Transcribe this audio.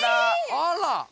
あら！